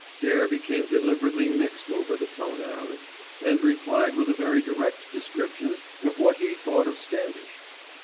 Dare became deliberately mixed over the pronoun, and replied with a very direct description of what he thought of Standish.